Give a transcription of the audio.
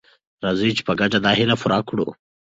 راځئ چې په ګډه دا هیله پوره کړو.